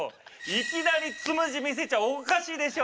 いきなりつむじ見せちゃおかしいでしょ。